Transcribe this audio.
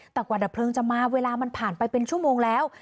แต่กว่าดับเพลิงจะมาเวลามันผ่านไปเป็นชั่วโมงแล้ว